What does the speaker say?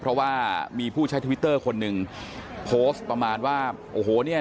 เพราะว่ามีผู้ใช้ทวิตเตอร์คนหนึ่งโพสต์ประมาณว่าโอ้โหเนี่ย